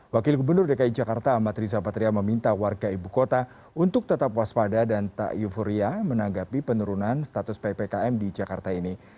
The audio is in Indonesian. wakil gubernur dki jakarta amat riza patria meminta warga ibu kota untuk tetap waspada dan tak euforia menanggapi penurunan status ppkm di jakarta ini